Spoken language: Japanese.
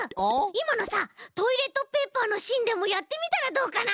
いまのさトイレットペーパーのしんでもやってみたらどうかな？